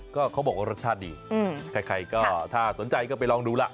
ก็เขาบอกว่ารสชาติดีใครก็ถ้าสนใจก็ไปลองดูล่ะ